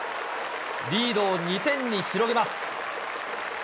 リードを２店に広げます。